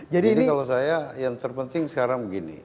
jadi kalau saya yang terpenting sekarang begini